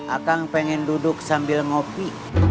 akang pengen duduk sambil ngopi